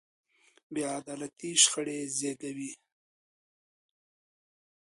بې عدالتي شخړې زېږوي.